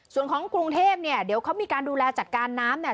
ส่วนของกรุงเทพเนี่ยเดี๋ยวเขามีการดูแลจัดการน้ำเนี่ย